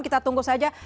kita tunggu saja